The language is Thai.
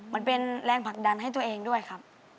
มันเป็นแรงผลักดันให้ตัวเองด้วยครับ